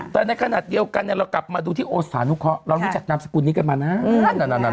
แต่ในขณะเดียวกันเรากลับมาดูที่โอสานุเคราะห์เรารู้จักนามสกุลนี้กันมานาน